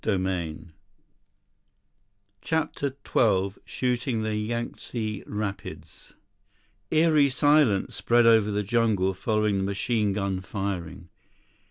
90 CHAPTER XII Shooting the Yangtze Rapids Eerie silence spread over the jungle following the machine gun firing.